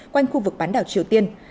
quanh khu vực bán đảo triều tiên